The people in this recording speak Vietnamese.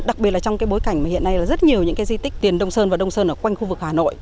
đặc biệt là trong bối cảnh hiện nay rất nhiều di tích tiền đông sơn và đông sơn ở quanh khu vực hà nội